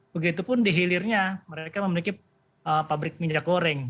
begitu pun di hilirnya mereka memiliki pabrik minyak goreng